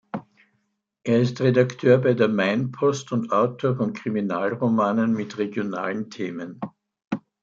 Er ist Redakteur bei der Main-Post und Autor von Kriminalromanen mit regionalen Themen.